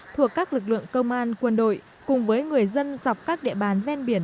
thuộc các lực lượng công an quân đội cùng với người dân dọc các địa bàn ven biển